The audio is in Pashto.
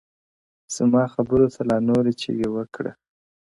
زما خبرو ته لا نوري چیغي وکړه ـ